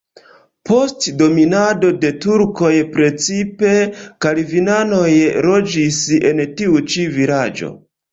Post dominado de turkoj precipe kalvinanoj loĝis en tiu ĉi vilaĝo.